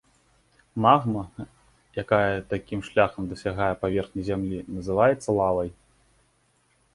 Магма, якая такім шляхам дасягае паверхні зямлі, называецца лавай.